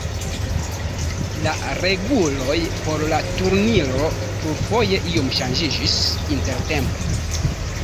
La reguloj por la turniro plurfoje iom ŝanĝiĝis intertempe.